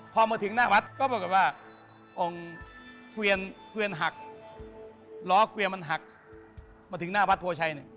พอมาถึงหน้าพัฒน์ก็บอกว่าองค์เกวียนหักล้อเกวียนมันหักมาถึงหน้าพัฒน์โพชัย